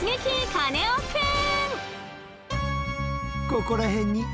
カネオくん！